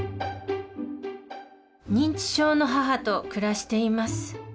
認知症の母と暮らしています。